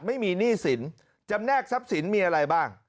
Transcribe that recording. ไม่มีหนี้สินจำแนกทรัพย์สินมีอะไรบ้าง